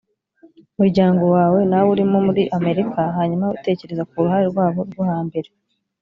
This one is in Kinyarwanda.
muryango wawe nawe urimo muri amerika hanyuma tekereza ku ruhare rwabo rwo hambere